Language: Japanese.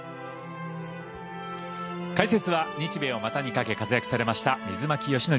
解説は日米を股にかけ活躍されました水巻善典